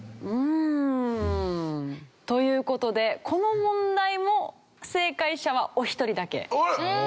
うん。という事でこの問題も正解者はお一人だけ。